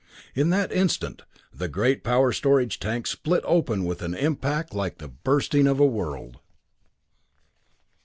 In that instant, the great power storage tank split open with an impact like the bursting of a world.